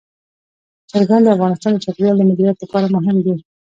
چرګان د افغانستان د چاپیریال د مدیریت لپاره مهم دي.